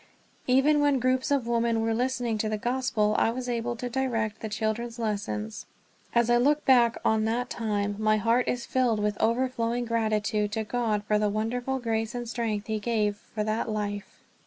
Even when groups of women were listening to the Gospel, I was able to direct the children's lessons. As I look back on that time, my heart is filled with overflowing gratitude to God for the wonderful grace and strength he gave for that life.